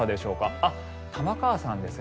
あ、玉川さんですね。